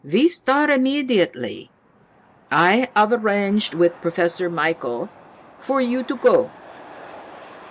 "We start immediately. I have arranged with Professor Michael for you to go."